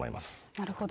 なるほど。